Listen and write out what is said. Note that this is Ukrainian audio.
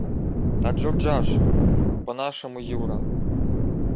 — Та Джурджа ж. По-нашому Юра.